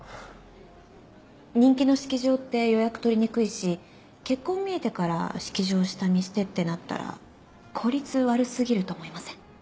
人気の式場って予約取りにくいし結婚見えてから式場下見してってなったら効率悪過ぎると思いません？